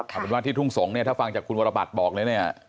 เอาเป็นว่าที่ทุ่งสงศ์เนี่ยถ้าฟังจากคุณวรบัตรบอกเลยเนี่ย